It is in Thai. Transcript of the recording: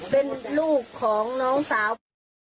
เป็นลูกของน้องสาวพ่อ